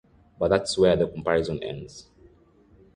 But that’s where the comparison ends.